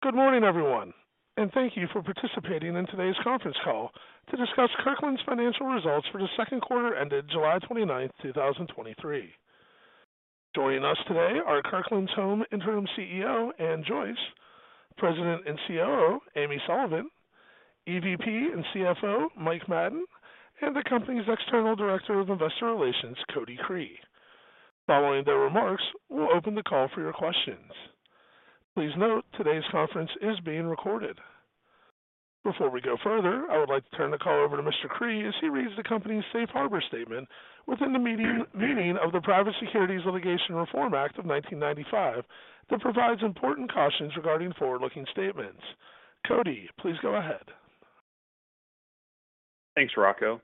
Good morning, everyone, and thank you for participating in today's conference call to discuss Kirkland's financial results for the second quarter ended July 29, 2023. Joining us today are Kirkland's Home Interim CEO Ann Joyce, President and COO Amy Sullivan, EVP and CFO Mike Madden, and the company's External Director of Investor Relations Cody Cree. Following their remarks, we'll open the call for your questions. Please note today's conference is being recorded. Before we go further, I would like to turn the call over to Mr. Cree as he reads the company's Safe Harbor statement within the meaning of the Private Securities Litigation Reform Act of 1995, that provides important cautions regarding forward-looking statements. Cody, please go ahead. Thanks, Rocco.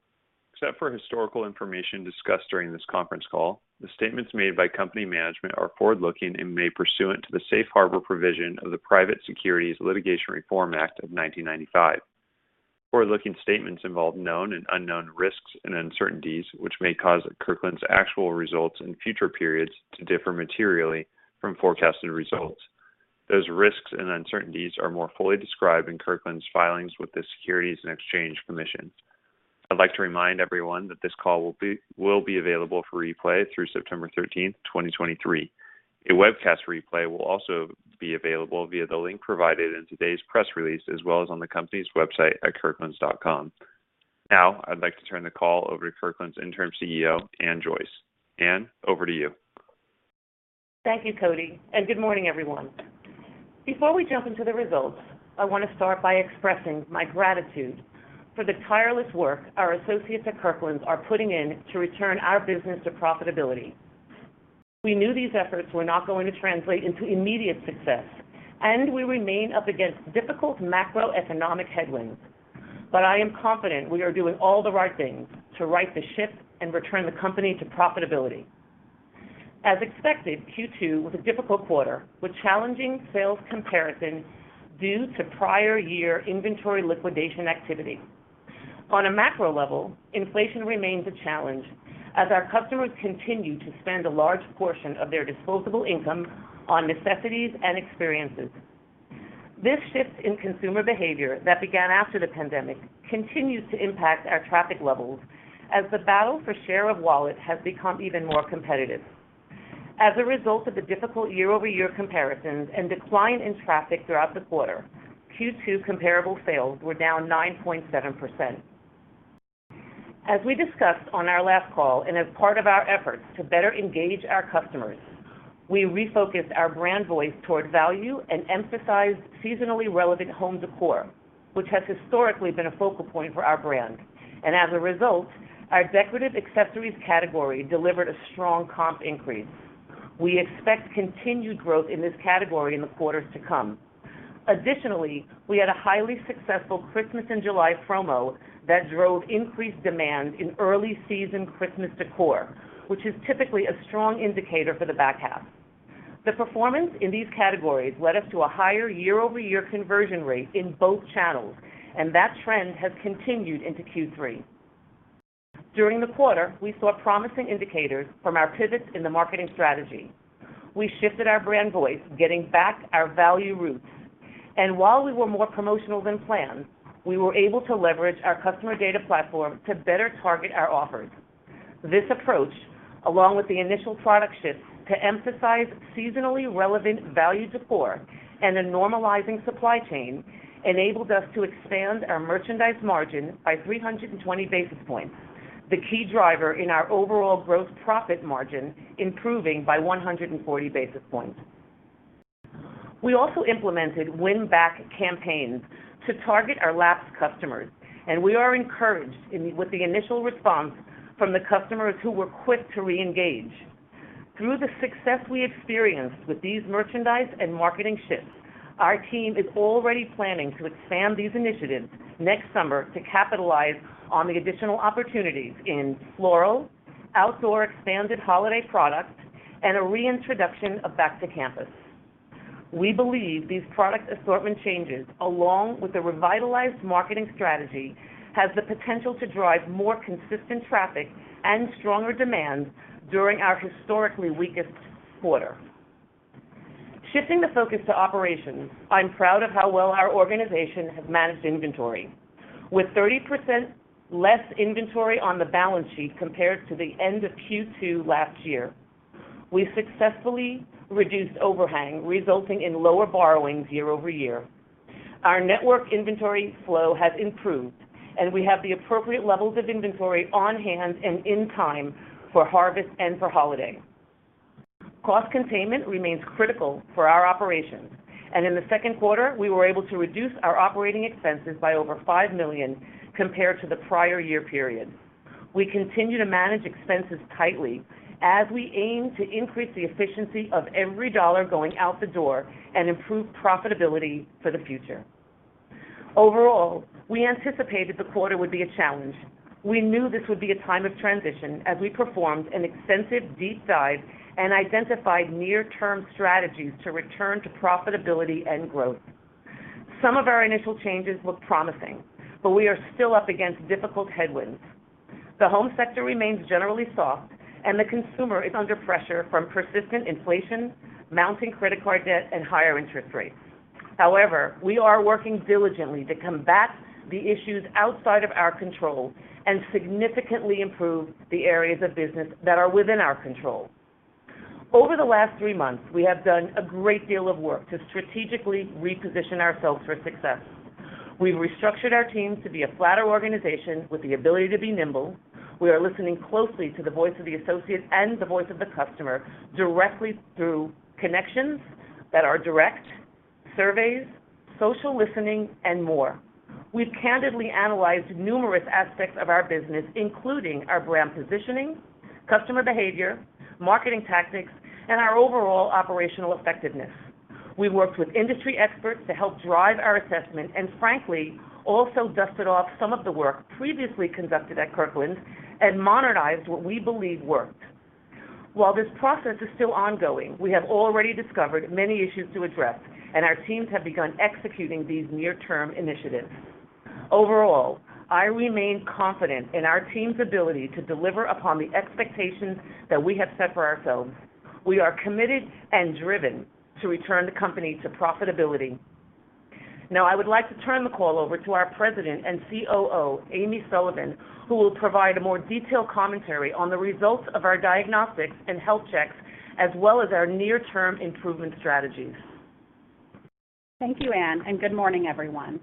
Except for historical information discussed during this conference call, the statements made by company management are forward-looking and may pursuant to the Safe Harbor provision of the Private Securities Litigation Reform Act of 1995. Forward-looking statements involve known and unknown risks and uncertainties, which may cause Kirkland's actual results in future periods to differ materially from forecasted results. Those risks and uncertainties are more fully described in Kirkland's filings with the Securities and Exchange Commission. I'd like to remind everyone that this call will be available for replay through September 13, 2023. A webcast replay will also be available via the link provided in today's press release, as well as on the company's website at kirklands.com. Now, I'd like to turn the call over to Kirkland's Interim CEO, Ann Joyce. Ann, over to you. Thank you, Cody, and good morning, everyone. Before we jump into the results, I want to start by expressing my gratitude for the tireless work our associates at Kirkland's are putting in to return our business to profitability. We knew these efforts were not going to translate into immediate success, and we remain up against difficult macroeconomic headwinds. But I am confident we are doing all the right things to right the ship and return the company to profitability. As expected, Q2 was a difficult quarter, with challenging sales comparisons due to prior year inventory liquidation activity. On a macro level, inflation remains a challenge as our customers continue to spend a large portion of their disposable income on necessities and experiences. This shift in consumer behavior that began after the pandemic continues to impact our traffic levels as the battle for share of wallet has become even more competitive. As a result of the difficult year-over-year comparisons and decline in traffic throughout the quarter, Q2 comparable sales were down 9.7%. As we discussed on our last call and as part of our efforts to better engage our customers, we refocused our brand voice toward value and emphasized seasonally relevant home décor, which has historically been a focal point for our brand, and as a result, our decorative accessories category delivered a strong comp increase. We expect continued growth in this category in the quarters to come. Additionally, we had a highly successful Christmas in July promo that drove increased demand in early season Christmas décor, which is typically a strong indicator for the back half. The performance in these categories led us to a higher year-over-year conversion rate in both channels, and that trend has continued into Q3. During the quarter, we saw promising indicators from our pivots in the marketing strategy. We shifted our brand voice, getting back our value roots, and while we were more promotional than planned, we were able to leverage our customer data platform to better target our offers. This approach, along with the initial product shift to emphasize seasonally relevant value decor and a normalizing supply chain, enabled us to expand our merchandise margin by 320 basis points, the key driver in our overall gross profit margin, improving by 140 basis points. We also implemented win-back campaigns to target our lapsed customers, and we are encouraged with the initial response from the customers who were quick to reengage. Through the success we experienced with these merchandise and marketing shifts, our team is already planning to expand these initiatives next summer to capitalize on the additional opportunities in floral, outdoor, expanded holiday products, and a reintroduction of Back to Campus. We believe these product assortment changes, along with the revitalized marketing strategy, has the potential to drive more consistent traffic and stronger demand during our historically weakest quarter. Shifting the focus to operations, I'm proud of how well our organization has managed inventory. With 30% less inventory on the balance sheet compared to the end of Q2 last year, we successfully reduced overhang, resulting in lower borrowings year-over-year. Our network inventory flow has improved, and we have the appropriate levels of inventory on hand and in time for harvest and for holiday. Cost containment remains critical for our operations, and in the second quarter, we were able to reduce our operating expenses by over $5 million compared to the prior year period. We continue to manage expenses tightly as we aim to increase the efficiency of every dollar going out the door and improve profitability for the future. Overall, we anticipated the quarter would be a challenge. We knew this would be a time of transition as we performed an extensive deep dive and identified near-term strategies to return to profitability and growth....Some of our initial changes look promising, but we are still up against difficult headwinds. The home sector remains generally soft, and the consumer is under pressure from persistent inflation, mounting credit card debt, and higher interest rates. However, we are working diligently to combat the issues outside of our control and significantly improve the areas of business that are within our control. Over the last three months, we have done a great deal of work to strategically reposition ourselves for success. We've restructured our team to be a flatter organization with the ability to be nimble. We are listening closely to the voice of the associate and the voice of the customer directly through connections that are direct, surveys, social listening, and more. We've candidly analyzed numerous aspects of our business, including our brand positioning, customer behavior, marketing tactics, and our overall operational effectiveness. We've worked with industry experts to help drive our assessment and frankly, also dusted off some of the work previously conducted at Kirkland's and modernized what we believe worked. While this process is still ongoing, we have already discovered many issues to address, and our teams have begun executing these near-term initiatives. Overall, I remain confident in our team's ability to deliver upon the expectations that we have set for ourselves. We are committed and driven to return the company to profitability. Now, I would like to turn the call over to our President and COO, Amy Sullivan, who will provide a more detailed commentary on the results of our diagnostics and health checks, as well as our near-term improvement strategies. Thank you, Ann, and good morning, everyone.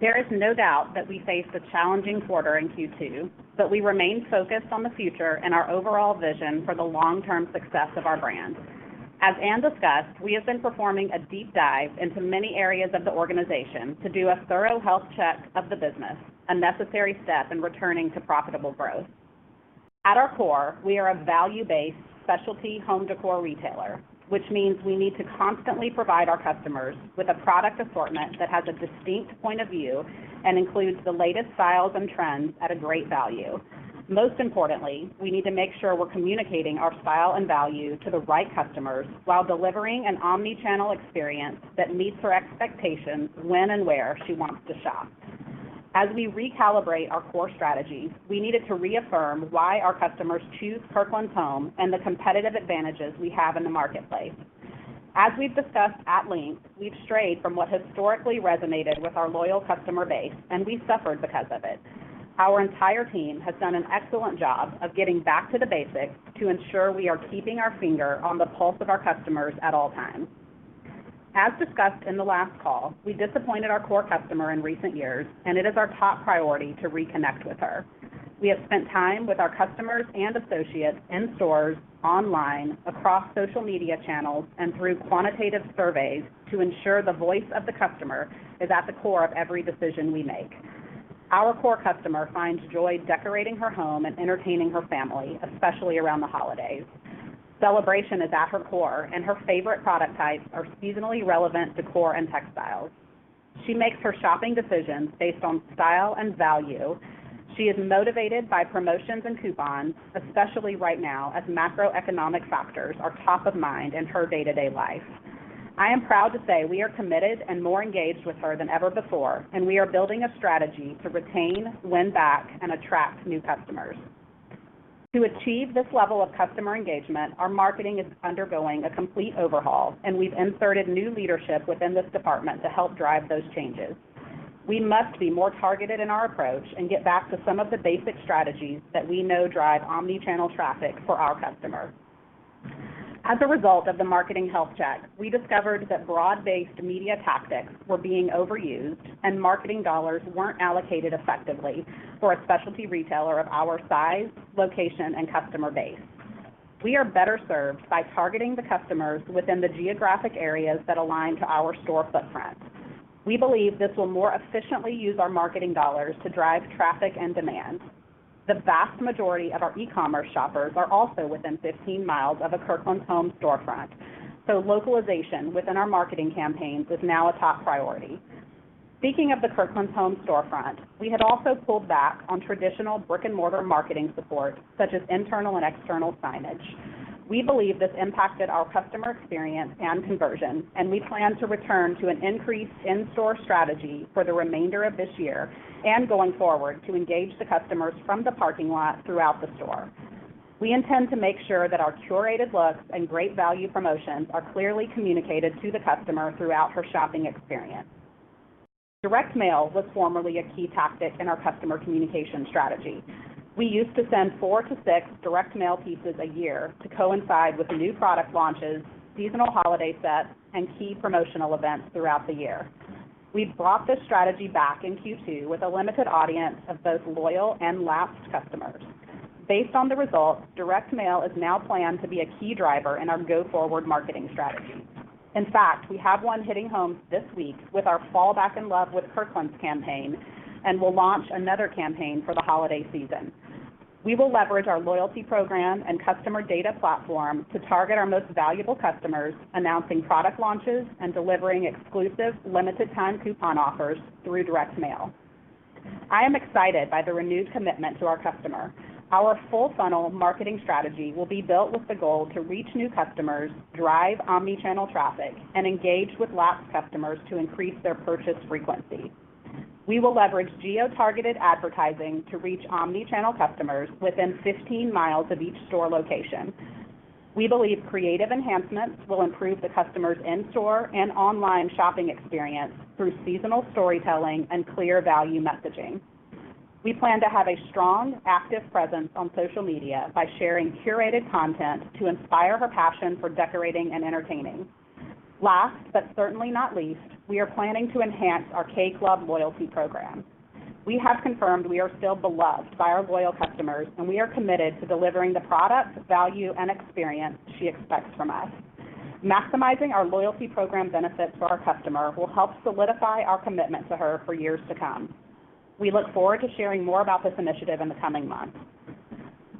There is no doubt that we faced a challenging quarter in Q2, but we remain focused on the future and our overall vision for the long-term success of our brand. As Ann discussed, we have been performing a deep dive into many areas of the organization to do a thorough health check of the business, a necessary step in returning to profitable growth. At our core, we are a value-based specialty home decor retailer, which means we need to constantly provide our customers with a product assortment that has a distinct point of view and includes the latest styles and trends at a great value. Most importantly, we need to make sure we're communicating our style and value to the right customers while delivering an omni-channel experience that meets her expectations when and where she wants to shop. As we recalibrate our core strategy, we needed to reaffirm why our customers choose Kirkland's Home and the competitive advantages we have in the marketplace. As we've discussed at length, we've strayed from what historically resonated with our loyal customer base, and we suffered because of it. Our entire team has done an excellent job of getting back to the basics to ensure we are keeping our finger on the pulse of our customers at all times. As discussed in the last call, we disappointed our core customer in recent years, and it is our top priority to reconnect with her. We have spent time with our customers and associates in stores, online, across social media channels, and through quantitative surveys to ensure the voice of the customer is at the core of every decision we make. Our core customer finds joy decorating her home and entertaining her family, especially around the holidays. Celebration is at her core, and her favorite product types are seasonally relevant decor and textiles. She makes her shopping decisions based on style and value. She is motivated by promotions and coupons, especially right now, as macroeconomic factors are top of mind in her day-to-day life. I am proud to say we are committed and more engaged with her than ever before, and we are building a strategy to retain, win back, and attract new customers. To achieve this level of customer engagement, our marketing is undergoing a complete overhaul, and we've inserted new leadership within this department to help drive those changes. We must be more targeted in our approach and get back to some of the basic strategies that we know drive omnichannel traffic for our customers. As a result of the marketing health check, we discovered that broad-based media tactics were being overused and marketing dollars weren't allocated effectively for a specialty retailer of our size, location, and customer base. We are better served by targeting the customers within the geographic areas that align to our store footprint. We believe this will more efficiently use our marketing dollars to drive traffic and demand. The vast majority of our e-commerce shoppers are also within 15 miles of a Kirkland's Home storefront, so localization within our marketing campaigns is now a top priority. Speaking of the Kirkland's Home storefront, we had also pulled back on traditional brick-and-mortar marketing support, such as internal and external signage. We believe this impacted our customer experience and conversion, and we plan to return to an increased in-store strategy for the remainder of this year and going forward to engage the customers from the parking lot throughout the store. We intend to make sure that our curated looks and great value promotions are clearly communicated to the customer throughout her shopping experience. Direct mail was formerly a key tactic in our customer communication strategy. We used to send 4-6 direct mail pieces a year to coincide with the new product launches, seasonal holiday sets, and key promotional events throughout the year. We've brought this strategy back in Q2 with a limited audience of both loyal and lapsed customers. Based on the results, direct mail is now planned to be a key driver in our go-forward marketing strategy. In fact, we have one hitting home this week with our Fall Back in Love with Kirkland's campaign and will launch another campaign for the holiday season. We will leverage our loyalty program and customer data platform to target our most valuable customers, announcing product launches and delivering exclusive, limited-time coupon offers through direct mail... I am excited by the renewed commitment to our customer. Our full-funnel marketing strategy will be built with the goal to reach new customers, drive omni-channel traffic, and engage with lapsed customers to increase their purchase frequency. We will leverage geo-targeted advertising to reach omni-channel customers within 15 miles of each store location. We believe creative enhancements will improve the customer's in-store and online shopping experience through seasonal storytelling and clear value messaging. We plan to have a strong, active presence on social media by sharing curated content to inspire her passion for decorating and entertaining. Last, but certainly not least, we are planning to enhance our K Club loyalty program. We have confirmed we are still beloved by our loyal customers, and we are committed to delivering the product, value, and experience she expects from us. Maximizing our loyalty program benefits for our customer will help solidify our commitment to her for years to come. We look forward to sharing more about this initiative in the coming months.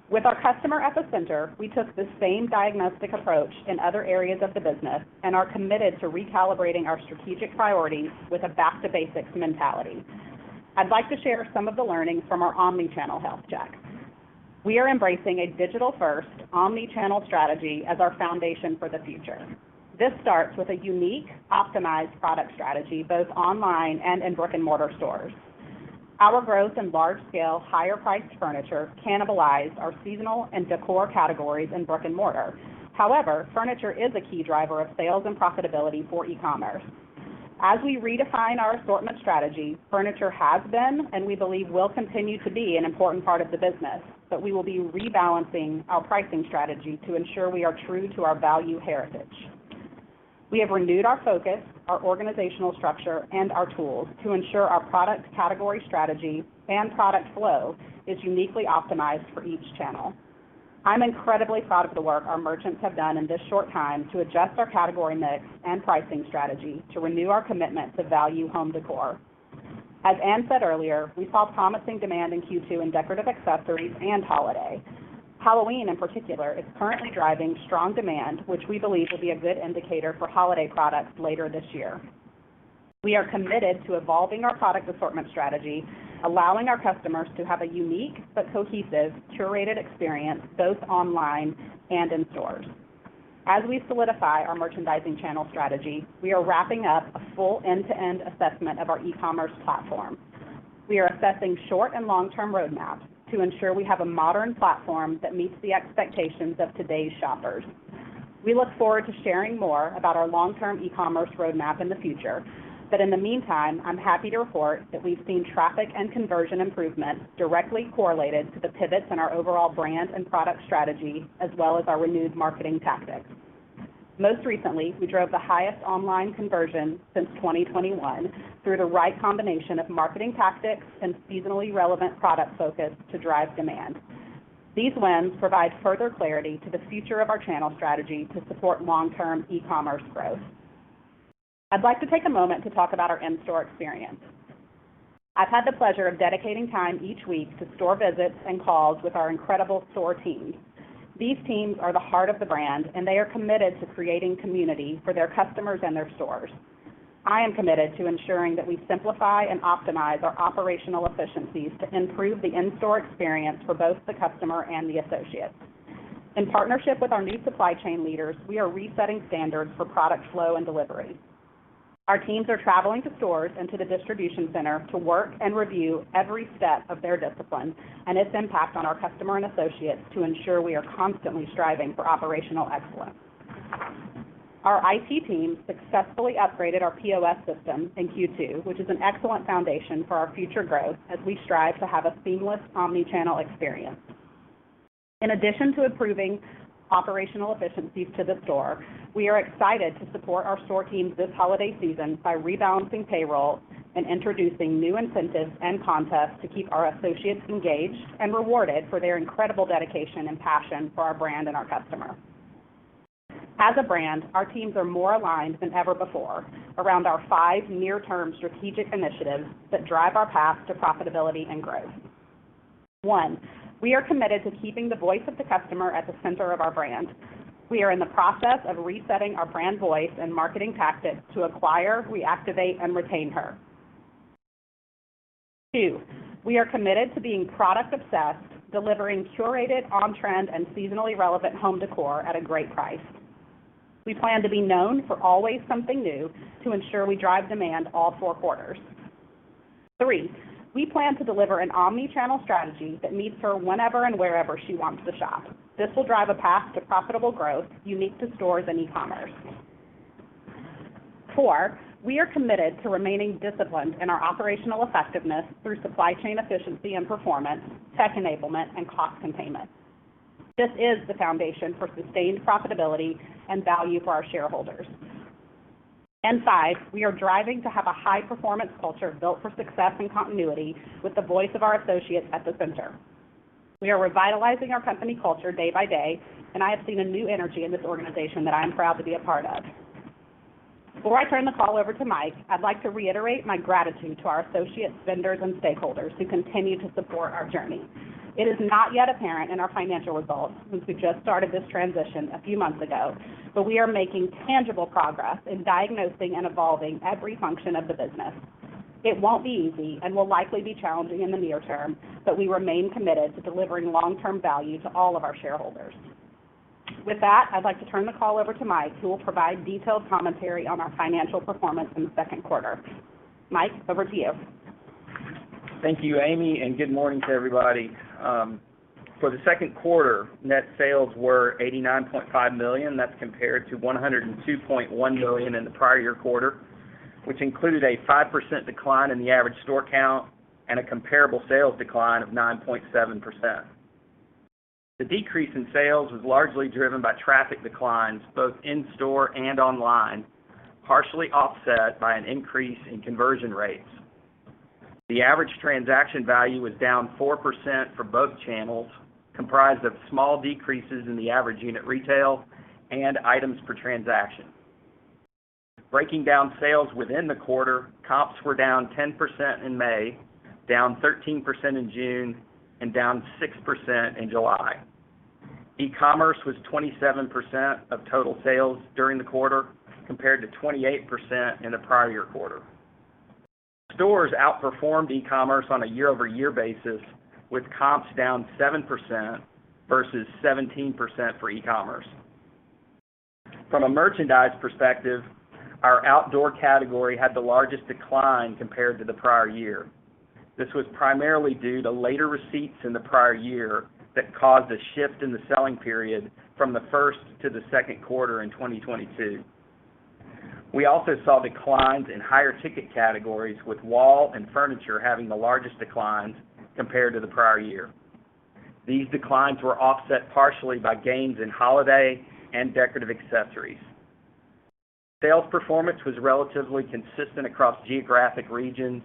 With our customer at the center, we took the same diagnostic approach in other areas of the business and are committed to recalibrating our strategic priorities with a back-to-basics mentality. I'd like to share some of the learnings from our omni-channel health check. We are embracing a digital-first, omni-channel strategy as our foundation for the future. This starts with a unique, optimized product strategy, both online and in brick-and-mortar stores. Our growth in large-scale, higher-priced furniture cannibalized our seasonal and decor categories in brick-and-mortar. However, furniture is a key driver of sales and profitability for e-commerce. As we redefine our assortment strategy, furniture has been, and we believe will continue to be, an important part of the business, but we will be rebalancing our pricing strategy to ensure we are true to our value heritage. We have renewed our focus, our organizational structure, and our tools to ensure our product category strategy and product flow is uniquely optimized for each channel. I'm incredibly proud of the work our merchants have done in this short time to adjust our category mix and pricing strategy to renew our commitment to value home decor. As Ann said earlier, we saw promising demand in Q2 in decorative accessories and holiday. Halloween, in particular, is currently driving strong demand, which we believe will be a good indicator for holiday products later this year. We are committed to evolving our product assortment strategy, allowing our customers to have a unique but cohesive, curated experience, both online and in stores. As we solidify our merchandising channel strategy, we are wrapping up a full end-to-end assessment of our e-commerce platform. We are assessing short- and long-term roadmaps to ensure we have a modern platform that meets the expectations of today's shoppers. We look forward to sharing more about our long-term e-commerce roadmap in the future, but in the meantime, I'm happy to report that we've seen traffic and conversion improvements directly correlated to the pivots in our overall brand and product strategy, as well as our renewed marketing tactics. Most recently, we drove the highest online conversion since 2021 through the right combination of marketing tactics and seasonally relevant product focus to drive demand. These wins provide further clarity to the future of our channel strategy to support long-term e-commerce growth. I'd like to take a moment to talk about our in-store experience. I've had the pleasure of dedicating time each week to store visits and calls with our incredible store team. These teams are the heart of the brand, and they are committed to creating community for their customers and their stores. I am committed to ensuring that we simplify and optimize our operational efficiencies to improve the in-store experience for both the customer and the associates. In partnership with our new supply chain leaders, we are resetting standards for product flow and delivery. Our teams are traveling to stores and to the distribution center to work and review every step of their discipline and its impact on our customer and associates to ensure we are constantly striving for operational excellence. Our IT team successfully upgraded our POS system in Q2, which is an excellent foundation for our future growth as we strive to have a seamless omni-channel experience. In addition to improving operational efficiencies to the store, we are excited to support our store teams this holiday season by rebalancing payroll and introducing new incentives and contests to keep our associates engaged and rewarded for their incredible dedication and passion for our brand and our customer. As a brand, our teams are more aligned than ever before around our five near-term strategic initiatives that drive our path to profitability and growth. One, we are committed to keeping the voice of the customer at the center of our brand. We are in the process of resetting our brand voice and marketing tactics to acquire, reactivate, and retain her. Two, we are committed to being product-obsessed, delivering curated, on-trend, and seasonally relevant home décor at a great price. We plan to be known for always something new to ensure we drive demand all four quarters. Three, we plan to deliver an omni-channel strategy that meets her whenever and wherever she wants to shop. This will drive a path to profitable growth unique to stores and e-commerce. Four, we are committed to remaining disciplined in our operational effectiveness through supply chain efficiency and performance, tech enablement, and cost containment. This is the foundation for sustained profitability and value for our shareholders. Five, we are driving to have a high-performance culture built for success and continuity with the voice of our associates at the center. We are revitalizing our company culture day by day, and I have seen a new energy in this organization that I am proud to be a part of. Before I turn the call over to Mike, I'd like to reiterate my gratitude to our associates, vendors, and stakeholders who continue to support our journey. It is not yet apparent in our financial results, since we just started this transition a few months ago, but we are making tangible progress in diagnosing and evolving every function of the business. It won't be easy and will likely be challenging in the near term, but we remain committed to delivering long-term value to all of our shareholders. With that, I'd like to turn the call over to Mike, who will provide detailed commentary on our financial performance in the second quarter. Mike, over to you. Thank you, Amy, and good morning to everybody. For the second quarter, net sales were $89.5 million, that's compared to $102.1 million in the prior year quarter, which included a 5% decline in the average store count and a comparable sales decline of 9.7%. The decrease in sales was largely driven by traffic declines, both in-store and online, partially offset by an increase in conversion rates. The average transaction value was down 4% for both channels, comprised of small decreases in the average unit retail and items per transaction. Breaking down sales within the quarter, comps were down 10% in May, down 13% in June, and down 6% in July. E-commerce was 27% of total sales during the quarter, compared to 28% in the prior year quarter. Stores outperformed e-commerce on a year-over-year basis, with comps down 7% versus 17% for e-commerce. From a merchandise perspective, our outdoor category had the largest decline compared to the prior year. This was primarily due to later receipts in the prior year that caused a shift in the selling period from the first to the second quarter in 2022. We also saw declines in higher ticket categories, with wall and furniture having the largest declines compared to the prior year. These declines were offset partially by gains in holiday and decorative accessories. Sales performance was relatively consistent across geographic regions,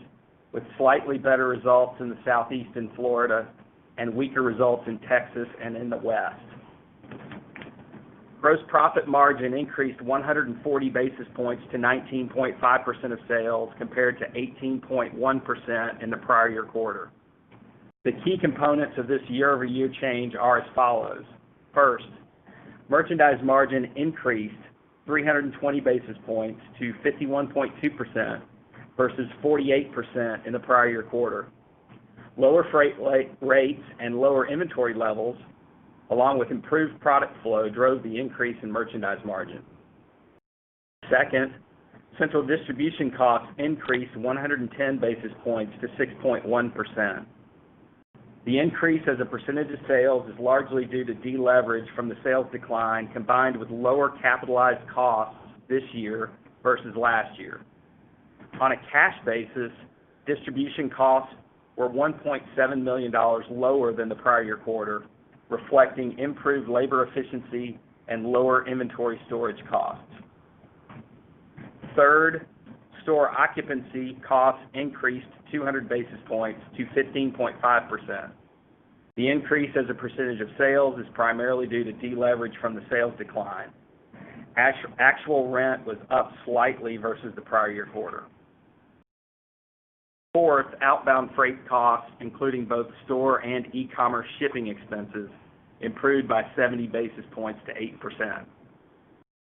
with slightly better results in the Southeast and Florida and weaker results in Texas and in the West. Gross profit margin increased 140 basis points to 19.5% of sales, compared to 18.1% in the prior year quarter. The key components of this year-over-year change are as follows: First, merchandise margin increased 320 basis points to 51.2% versus 48% in the prior year quarter. Lower freight rates and lower inventory levels, along with improved product flow, drove the increase in merchandise margin. Second, central distribution costs increased 110 basis points to 6.1%. The increase as a percentage of sales is largely due to deleverage from the sales decline, combined with lower capitalized costs this year versus last year. On a cash basis, distribution costs were $1.7 million lower than the prior year quarter, reflecting improved labor efficiency and lower inventory storage costs. Third, store occupancy costs increased 200 basis points to 15.5%. The increase as a percentage of sales is primarily due to deleverage from the sales decline. Actual rent was up slightly versus the prior year quarter. Fourth, outbound freight costs, including both store and e-commerce shipping expenses, improved by 70 basis points to 8%.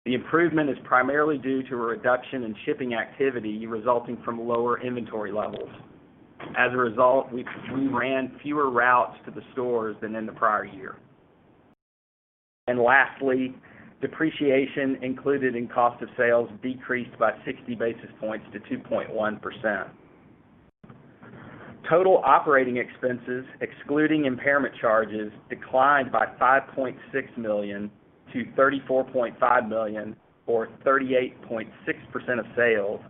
The improvement is primarily due to a reduction in shipping activity resulting from lower inventory levels. As a result, we ran fewer routes to the stores than in the prior year. And lastly, depreciation included in cost of sales decreased by 60 basis points to 2.1%. Total operating expenses, excluding impairment charges, declined by $5.6 million to $34.5 million, or 38.6% of sales,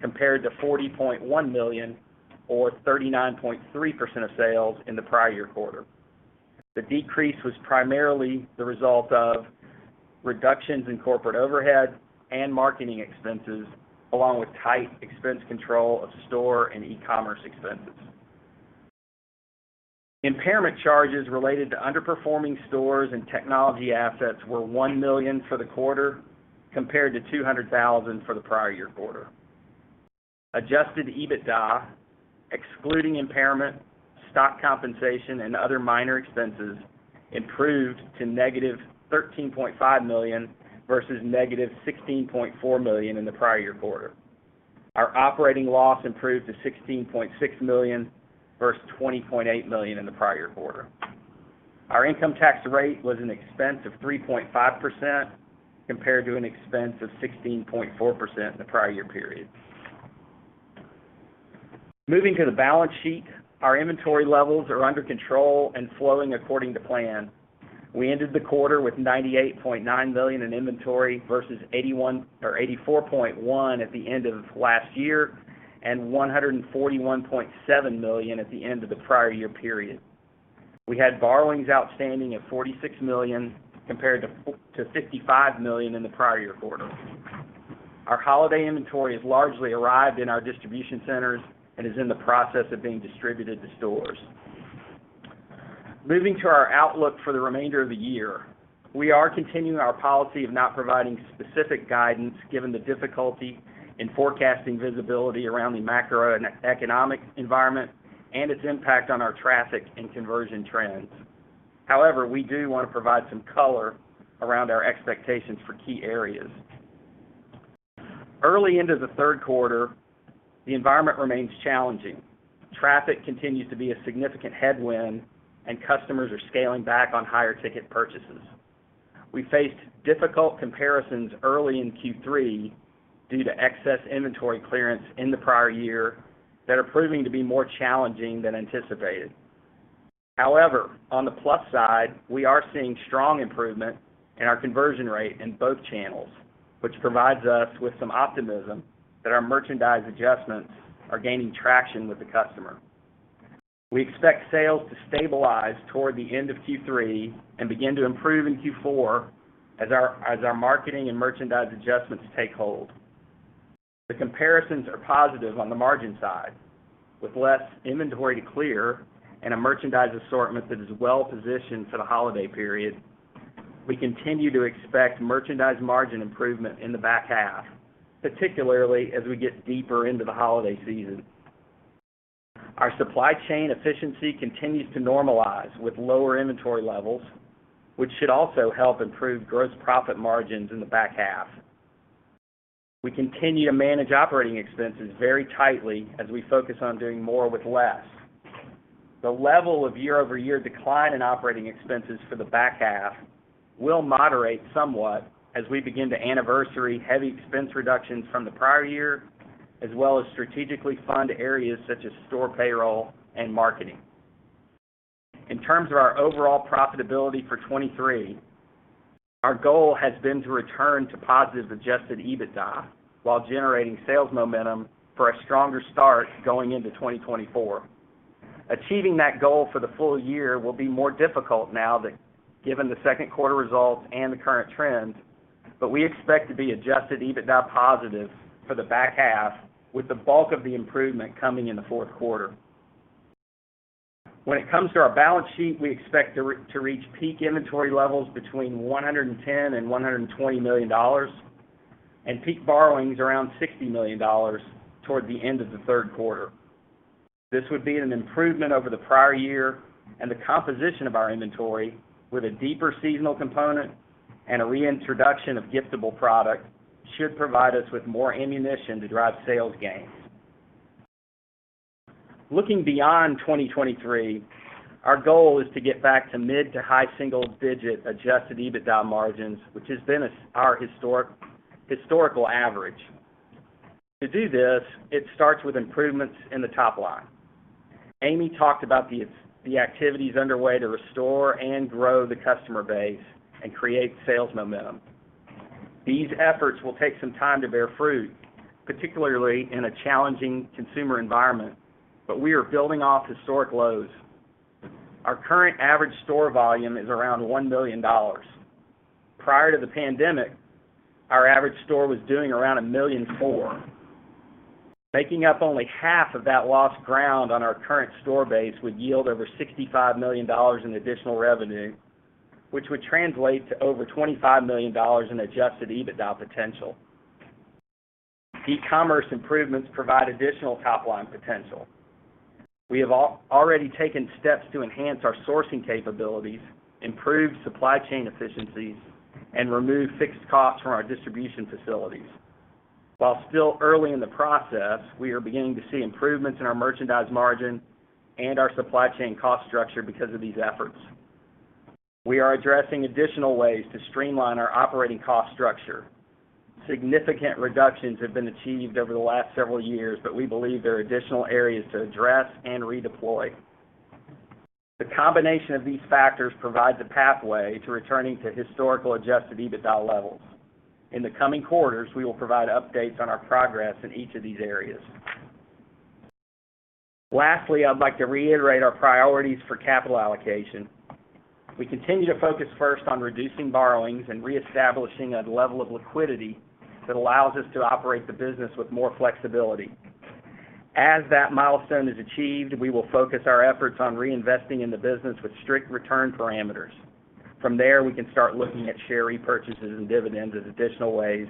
compared to $40.1 million or 39.3% of sales in the prior year quarter. The decrease was primarily the result of reductions in corporate overhead and marketing expenses, along with tight expense control of store and e-commerce expenses. Impairment charges related to underperforming stores and technology assets were $1 million for the quarter, compared to $200,000 for the prior year quarter. Adjusted EBITDA, excluding impairment, stock compensation, and other minor expenses, improved to -$13.5 million versus -$16.4 million in the prior year quarter. Our operating loss improved to $16.6 million versus $20.8 million in the prior quarter. Our income tax rate was an expense of 3.5%, compared to an expense of 16.4% in the prior year period. Moving to the balance sheet, our inventory levels are under control and flowing according to plan. We ended the quarter with $98.9 million in inventory versus $84.1 million at the end of last year, and $141.7 million at the end of the prior year period. We had borrowings outstanding at $46 million, compared to $55 million in the prior year quarter. Our holiday inventory has largely arrived in our distribution centers and is in the process of being distributed to stores. Moving to our outlook for the remainder of the year, we are continuing our policy of not providing specific guidance, given the difficulty in forecasting visibility around the macroeconomic environment and its impact on our traffic and conversion trends. However, we do want to provide some color around our expectations for key areas. Early into the third quarter, the environment remains challenging. Traffic continues to be a significant headwind, and customers are scaling back on high-ticket purchases. We faced difficult comparisons early in Q3 due to excess inventory clearance in the prior year that are proving to be more challenging than anticipated. However, on the plus side, we are seeing strong improvement in our conversion rate in both channels, which provides us with some optimism that our merchandise adjustments are gaining traction with the customer. We expect sales to stabilize toward the end of Q3 and begin to improve in Q4 as our marketing and merchandise adjustments take hold. The comparisons are positive on the margin side. With less inventory to clear and a merchandise assortment that is well positioned for the holiday period, we continue to expect merchandise margin improvement in the back half, particularly as we get deeper into the holiday season. Our supply chain efficiency continues to normalize with lower inventory levels, which should also help improve gross profit margins in the back half. We continue to manage operating expenses very tightly as we focus on doing more with less. The level of year-over-year decline in operating expenses for the back half will moderate somewhat as we begin to anniversary heavy expense reductions from the prior year, as well as strategically fund areas such as store payroll and marketing. In terms of our overall profitability for 2023, our goal has been to return to positive Adjusted EBITDA while generating sales momentum for a stronger start going into 2024. Achieving that goal for the full year will be more difficult now that, given the second quarter results and the current trends, but we expect to be Adjusted EBITDA positive for the back half, with the bulk of the improvement coming in the fourth quarter. When it comes to our balance sheet, we expect to reach peak inventory levels between $110 million and $120 million, and peak borrowings around $60 million toward the end of the third quarter. This would be an improvement over the prior year, and the composition of our inventory, with a deeper seasonal component and a reintroduction of giftable product, should provide us with more ammunition to drive sales gains. Looking beyond 2023, our goal is to get back to mid to high single digit Adjusted EBITDA margins, which has been our historical average. To do this, it starts with improvements in the top line. Amy talked about the activities underway to restore and grow the customer base and create sales momentum. These efforts will take some time to bear fruit, particularly in a challenging consumer environment, but we are building off historic lows. Our current average store volume is around $1 million. Prior to the pandemic, our average store was doing around $1.4 million. Making up only half of that lost ground on our current store base would yield over $65 million in additional revenue, which would translate to over $25 million in Adjusted EBITDA potential. E-commerce improvements provide additional top line potential. We have already taken steps to enhance our sourcing capabilities, improve supply chain efficiencies, and remove fixed costs from our distribution facilities. While still early in the process, we are beginning to see improvements in our merchandise margin and our supply chain cost structure because of these efforts. We are addressing additional ways to streamline our operating cost structure. Significant reductions have been achieved over the last several years, but we believe there are additional areas to address and redeploy. The combination of these factors provides a pathway to returning to historical Adjusted EBITDA levels. In the coming quarters, we will provide updates on our progress in each of these areas. Lastly, I'd like to reiterate our priorities for capital allocation. We continue to focus first on reducing borrowings and reestablishing a level of liquidity that allows us to operate the business with more flexibility. As that milestone is achieved, we will focus our efforts on reinvesting in the business with strict return parameters. From there, we can start looking at share repurchases and dividends as additional ways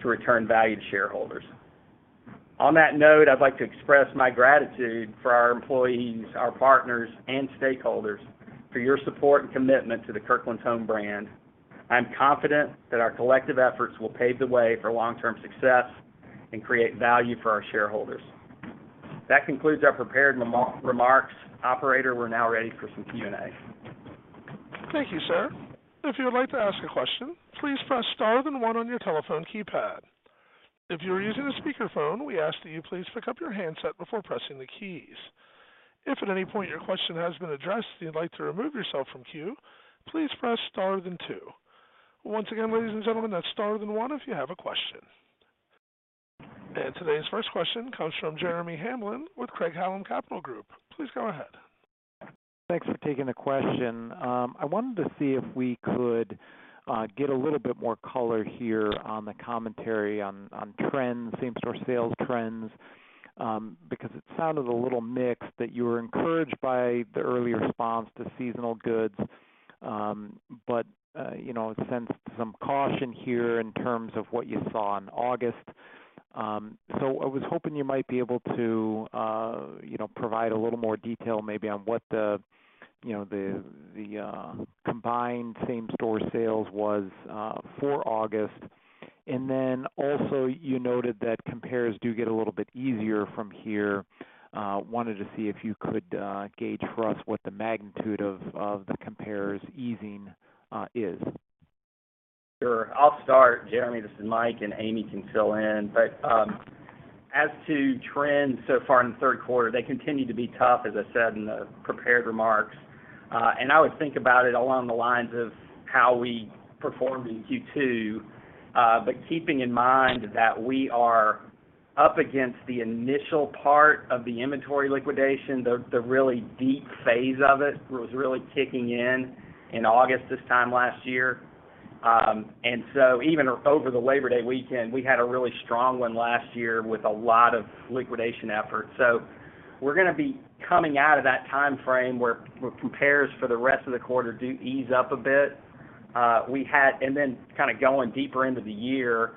to return value to shareholders. On that note, I'd like to express my gratitude for our employees, our partners, and stakeholders for your support and commitment to the Kirkland's Home brand. I'm confident that our collective efforts will pave the way for long-term success and create value for our shareholders. That concludes our prepared remarks. Operator, we're now ready for some Q&A. Thank you, sir. If you would like to ask a question, please press star then one on your telephone keypad. If you are using a speakerphone, we ask that you please pick up your handset before pressing the keys. If at any point your question has been addressed, and you'd like to remove yourself from queue, please press star then two. Once again, ladies and gentlemen, that's star then one if you have a question. Today's first question comes from Jeremy Hamblin with Craig-Hallum Capital Group. Please go ahead. Thanks for taking the question. I wanted to see if we could get a little bit more color here on the commentary on, on trends, same-store sales trends, because it sounded a little mixed that you were encouraged by the early response to seasonal goods, but you know, it sensed some caution here in terms of what you saw in August. So I was hoping you might be able to, you know, provide a little more detail maybe on what the, you know, the combined same-store sales was for August. And then also, you noted that compares do get a little bit easier from here. Wanted to see if you could gauge for us what the magnitude of the compares easing is? Sure. I'll start, Jeremy. This is Mike, and Amy can fill in. But, as to trends so far in the third quarter, they continue to be tough, as I said in the prepared remarks. And I would think about it along the lines of how we performed in Q2, but keeping in mind that we are up against the initial part of the inventory liquidation. The really deep phase of it was really kicking in, in August this time last year. And so even over the Labor Day weekend, we had a really strong one last year with a lot of liquidation efforts. So we're gonna be coming out of that timeframe, where compares for the rest of the quarter do ease up a bit. And then kind of going deeper into the year,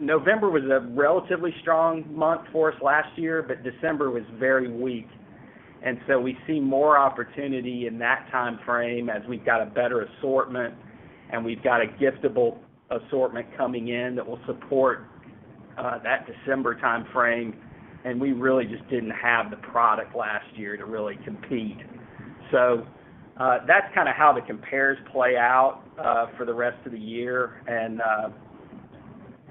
November was a relatively strong month for us last year, but December was very weak. And so we see more opportunity in that timeframe as we've got a better assortment, and we've got a giftable assortment coming in that will support that December timeframe, and we really just didn't have the product last year to really compete. So that's kind of how the compares play out for the rest of the year. And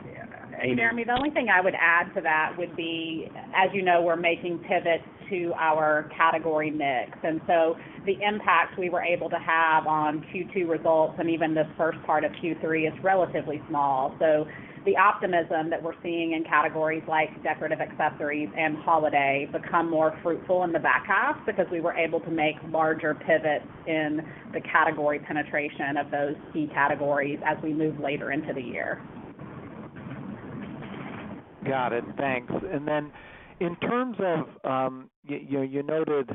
yeah, Amy? Jeremy, the only thing I would add to that would be, as you know, we're making pivots to our category mix, and so the impact we were able to have on Q2 results and even the first part of Q3, is relatively small. So the optimism that we're seeing in categories like decorative accessories and holiday, become more fruitful in the back half, because we were able to make larger pivots in the category penetration of those key categories as we move later into the year. Got it. Thanks. And then, in terms of, you noted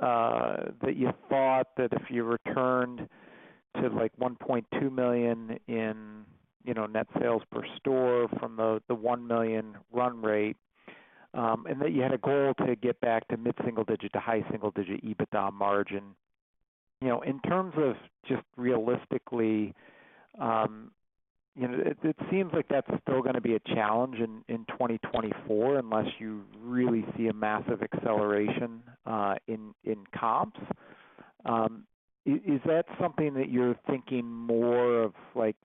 that you thought that if you returned to, like, $1.2 million in, you know, net sales per store from the $1 million run rate, and that you had a goal to get back to mid-single-digit to high single-digit EBITDA margin. You know, in terms of just realistically, you know, it seems like that's still gonna be a challenge in 2024, unless you really see a massive acceleration in comps. Is that something that you're thinking more of, like,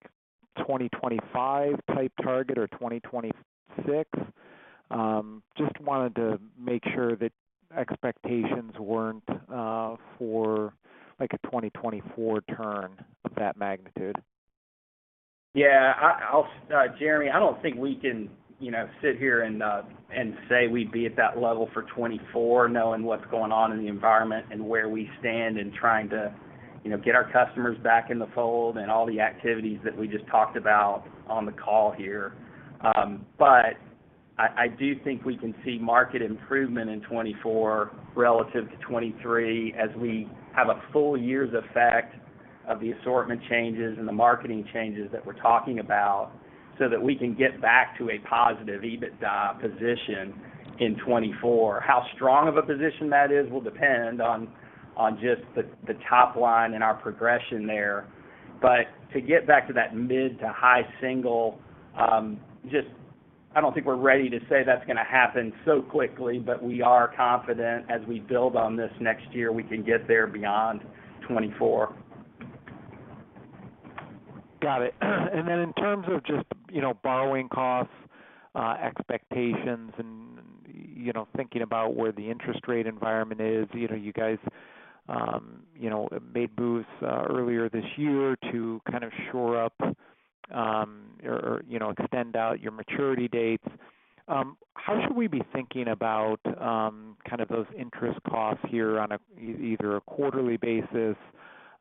2025 type target or 2026? Just wanted to make sure that expectations weren't for, like, a 2024 turn of that magnitude. Yeah, I'll, Jeremy, I don't think we can, you know, sit here and say we'd be at that level for 2024, knowing what's going on in the environment and where we stand in trying to, you know, get our customers back in the fold and all the activities that we just talked about on the call here. But I do think we can see market improvement in 2024 relative to 2023, as we have a full year's effect of the assortment changes and the marketing changes that we're talking about, so that we can get back to a positive EBITDA position in 2024. How strong of a position that is, will depend on just the top line and our progression there. But to get back to that mid- to high-single, I don't think we're ready to say that's gonna happen so quickly, but we are confident as we build on this next year, we can get there beyond 2024. Got it. And then in terms of just, you know, borrowing costs, expectations, and, you know, thinking about where the interest rate environment is, you know, you guys, you know, made moves earlier this year to kind of shore up, or, you know, extend out your maturity dates. How should we be thinking about kind of those interest costs here on a either a quarterly basis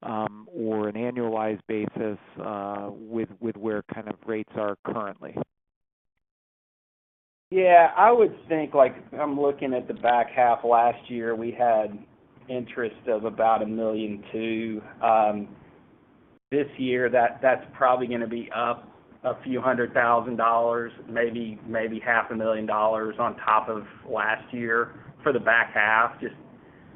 or an annualized basis, with where kind of rates are currently? Yeah, I would think, like, I'm looking at the back half last year, we had interest of about $1.2 million. This year, that's probably gonna be up a few hundred thousand dollars, maybe $500,000 on top of last year, for the back half, just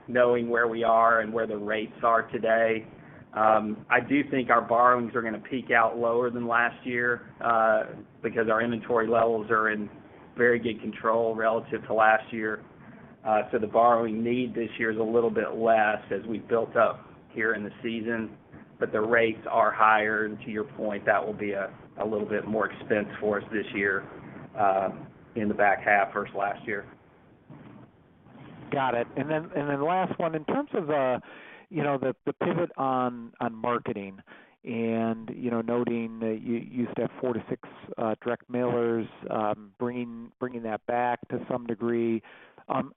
knowing where we are and where the rates are today. I do think our borrowings are gonna peak out lower than last year, because our inventory levels are in very good control relative to last year. So the borrowing need this year is a little bit less as we've built up here in the season, but the rates are higher. And to your point, that will be a little bit more expense for us this year, in the back half versus last year. Got it. And then the last one. In terms of, you know, the pivot on marketing and, you know, noting that you used to have 4-6 direct mailers, bringing that back to some degree,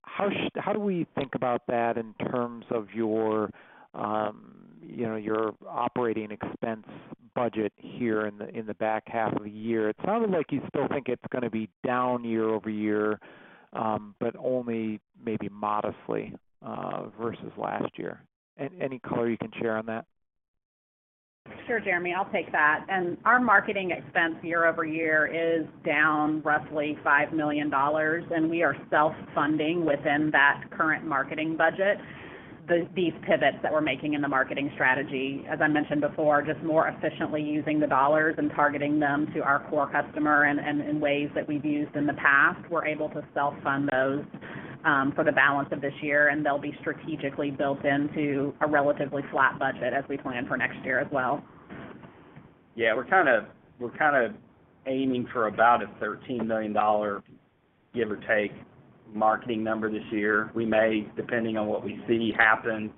how do we think about that in terms of your, you know, your operating expense budget here in the back half of the year? It sounded like you still think it's gonna be down year-over-year, but only maybe modestly versus last year. Any color you can share on that? ... Sure, Jeremy, I'll take that. Our marketing expense year-over-year is down roughly $5 million, and we are self-funding within that current marketing budget. These pivots that we're making in the marketing strategy, as I mentioned before, just more efficiently using the dollars and targeting them to our core customer and, and in ways that we've used in the past. We're able to self-fund those for the balance of this year, and they'll be strategically built into a relatively flat budget as we plan for next year as well. Yeah, we're kind of, we're kind of aiming for about a $13 million, give or take, marketing number this year. We may, depending on what we see happen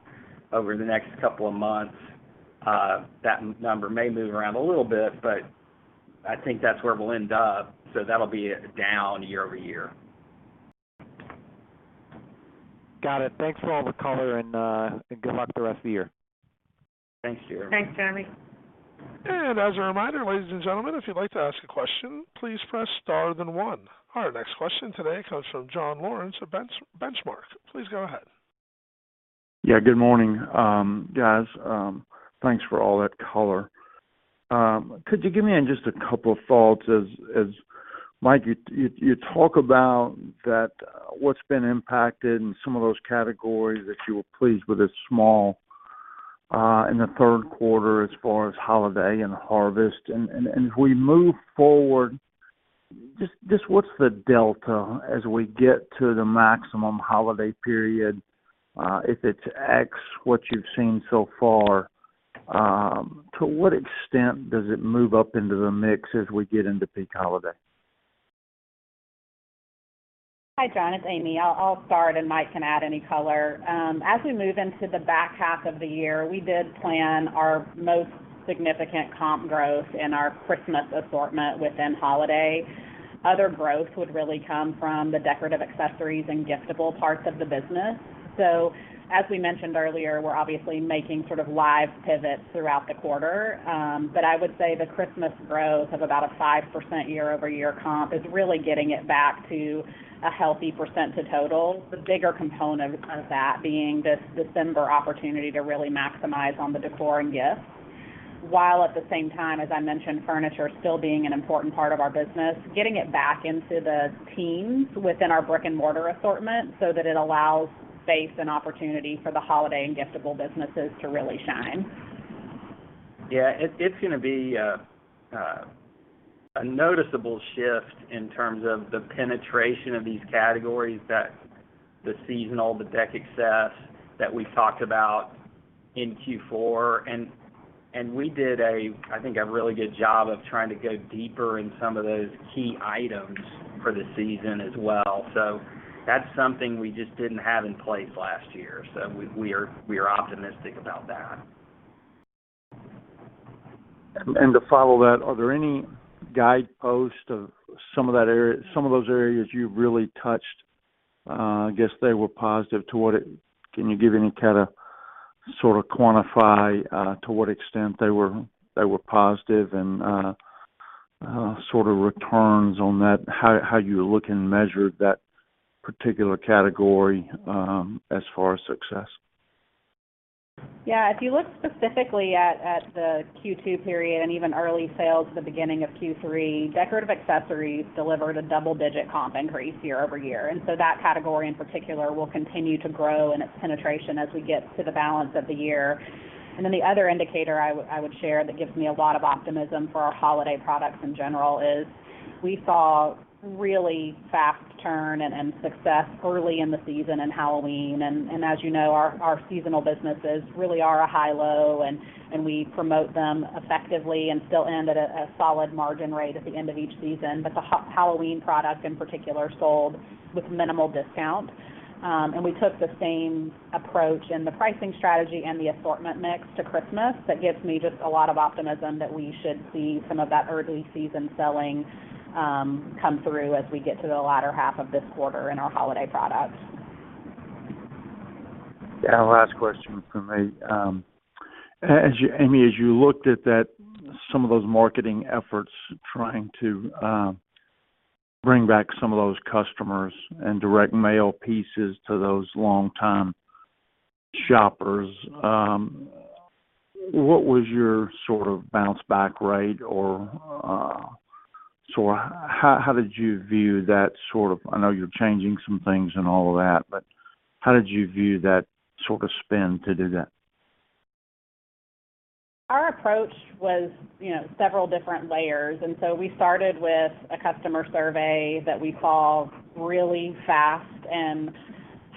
over the next couple of months, that number may move around a little bit, but I think that's where we'll end up, so that'll be down year-over-year. Got it. Thanks for all the color and good luck the rest of the year. Thank you. Thanks, Jeremy. As a reminder, ladies and gentlemen, if you'd like to ask a question, please press star, then 1. Our next question today comes from John Lawrence of Benchmark. Please go ahead. Yeah, good morning, guys. Thanks for all that color. Could you give me just a couple of thoughts as Mike, you talk about that, what's been impacted and some of those categories that you were pleased with as well in the third quarter as far as holiday and harvest. And as we move forward, just what's the delta as we get to the maximum holiday period? If it's X, what you've seen so far, to what extent does it move up into the mix as we get into peak holiday? Hi, John, it's Amy. I'll start, and Mike can add any color. As we move into the back half of the year, we did plan our most significant comp growth in our Christmas assortment within holiday. Other growth would really come from the decorative accessories and giftable parts of the business. So as we mentioned earlier, we're obviously making sort of live pivots throughout the quarter. But I would say the Christmas growth of about a 5% year-over-year comp is really getting it back to a healthy percent to total. The bigger component of that being this December opportunity to really maximize on the decor and gifts, while at the same time, as I mentioned, furniture still being an important part of our business, getting it back into the teams within our brick-and-mortar assortment so that it allows space and opportunity for the holiday and giftable businesses to really shine. Yeah, it's gonna be a noticeable shift in terms of the penetration of these categories that, the seasonal, the décor excess that we talked about in Q4. And we did, I think, a really good job of trying to go deeper in some of those key items for the season as well. So that's something we just didn't have in place last year, so we are optimistic about that. To follow that, are there any guideposts of some of that area, some of those areas you really touched? I guess they were positive to what it... Can you give any kind of, sort of quantify, to what extent they were, they were positive and, sort of returns on that, how, how you look and measure that particular category, as far as success? Yeah, if you look specifically at the Q2 period and even early sales at the beginning of Q3, decorative accessories delivered a double-digit comp increase year-over-year. And so that category, in particular, will continue to grow in its penetration as we get to the balance of the year. And then the other indicator I would share that gives me a lot of optimism for our holiday products in general is we saw really fast turn and success early in the season for Halloween. And as you know, our seasonal businesses really are a high-low, and we promote them effectively and still end at a solid margin rate at the end of each season. But the Halloween product, in particular, sold with minimal discount. We took the same approach in the pricing strategy and the assortment mix to Christmas. That gives me just a lot of optimism that we should see some of that early season selling come through as we get to the latter half of this quarter in our holiday products. Last question from me. As you, Amy, as you looked at that... some of those marketing efforts, trying to bring back some of those customers and direct mail pieces to those long-time shoppers, what was your sort of bounce-back rate? Or, so how did you view that sort of. I know you're changing some things and all of that, but how did you view that sort of spend to do that? Our approach was, you know, several different layers, and so we started with a customer survey that we saw really fast and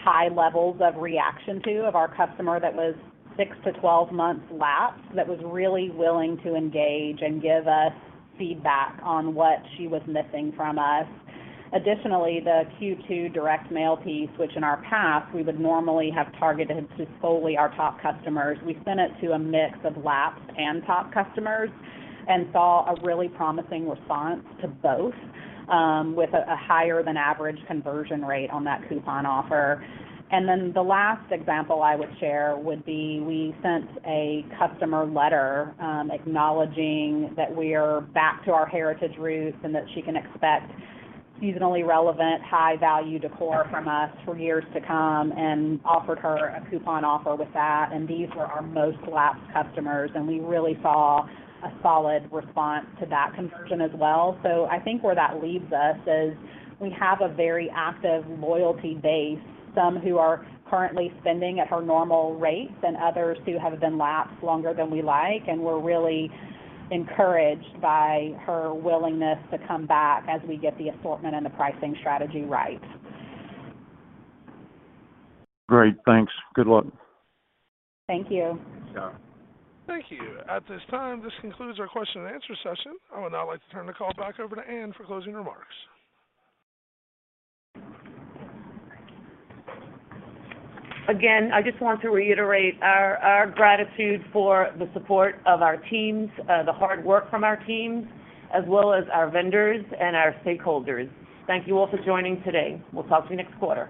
high levels of reaction to of our customer that was 6-12 months lapsed, that was really willing to engage and give us feedback on what she was missing from us. Additionally, the Q2 direct mail piece, which in our past, we would normally have targeted to solely our top customers, we sent it to a mix of lapsed and top customers and saw a really promising response to both, with a higher-than-average conversion rate on that coupon offer. Then the last example I would share would be, we sent a customer letter acknowledging that we are back to our heritage roots and that she can expect seasonally relevant, high-value decor from us for years to come and offered her a coupon offer with that. These were our most lapsed customers, and we really saw a solid response to that conversion as well. I think where that leaves us is we have a very active loyalty base, some who are currently spending at her normal rates and others who have been lapsed longer than we like, and we're really encouraged by her willingness to come back as we get the assortment and the pricing strategy right. Great. Thanks. Good luck. Thank you. Yeah. Thank you. At this time, this concludes our question and answer session. I would now like to turn the call back over to Ann for closing remarks. Again, I just want to reiterate our gratitude for the support of our teams, the hard work from our teams, as well as our vendors and our stakeholders. Thank you all for joining today. We'll talk to you next quarter.